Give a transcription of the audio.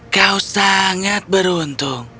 kau sangat beruntung